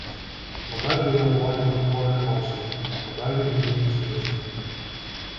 Бодай би я була його ніколи не бачила, бодай він мені й не снився.